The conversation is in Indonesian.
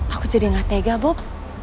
aku jadi gak tega bok